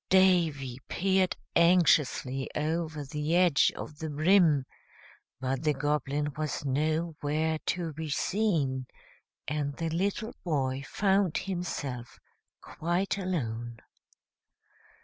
Davy peered anxiously over the edge of the brim; but the Goblin was nowhere to be seen, and the little boy found himself quite alone.